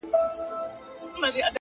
اوس له كندهاره روانـېـــږمه،